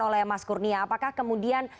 oleh mas kurnia apakah kemudian